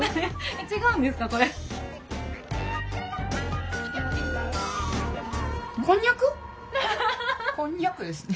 違うんですか？